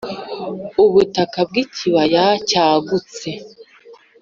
ubutaka bwikibaya cyagutse